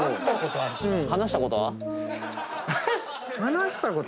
話したこと？